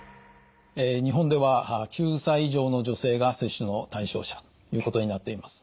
日本では９歳以上の女性が接種の対象者ということになっています。